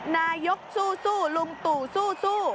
นายกสู้ลุงตู่สู้